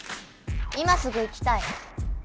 今すぐ行きたい。